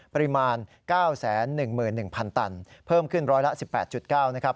ประมาณ๙๑๑๐๐๐ตันเพิ่มขึ้นร้อยละ๑๘๙นะครับ